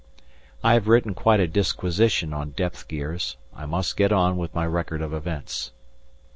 I have written quite a disquisition on depth gears; I must get on with my record of events.